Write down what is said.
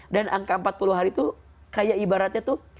dan angka empat puluh hari itu kayak ibaratnya tuh